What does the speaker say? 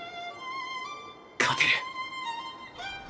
勝てる！